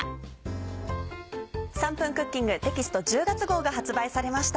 『３分クッキング』テキスト１０月号が発売されました。